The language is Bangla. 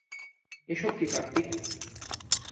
এসব কী কার্তিক!